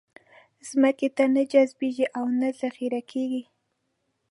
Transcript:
ځمکې ته نه جذبېږي او نه ذخېره کېږي.